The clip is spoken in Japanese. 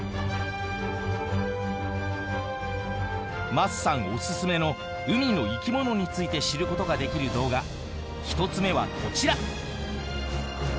桝さんオススメの海の生き物について知ることができる動画１つ目はこちら！